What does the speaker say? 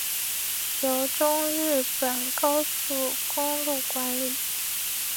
由中日本高速公路管理。